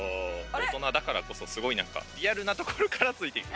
大人だからこそすごいリアルなところから突いてくる。